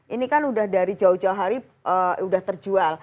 ini kan udah dari jauh jauh hari sudah terjual